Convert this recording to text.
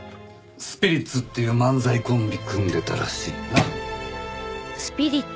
スピリッツっていう漫才コンビ組んでたらしいな。